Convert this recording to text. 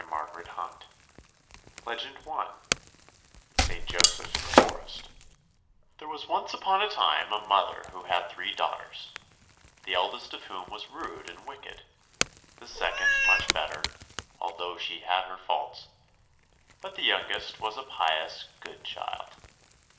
Children's Legends Legend 1 St. Joseph in the Forest There was once on a time a mother who had three daughters, the eldest of whom was rude and wicked, the second much better, although she had her faults, but the youngest was a pious, good child.